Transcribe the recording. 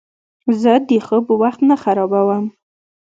زه د خوب وخت نه خرابوم.